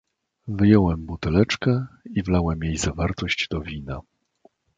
"Wyjąłem buteleczkę i wlałem jej zawartość do wina."